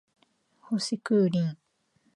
星空凛